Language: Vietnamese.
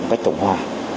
cách tổng hòa